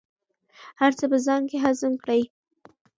هر څه په ځان کې هضم کړئ.